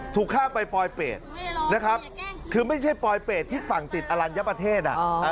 ถูกข้ามไปปลอยเป็ดนะครับคือไม่ใช่ปลอยเป็ดที่ฝั่งติดอลัญญประเทศ